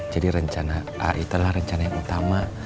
jadi rencana a itu adalah rencana yang utama